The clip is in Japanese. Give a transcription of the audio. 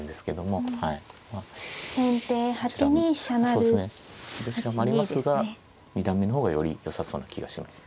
そうですねどちらもありますが二段目の方がよりよさそうな気がします。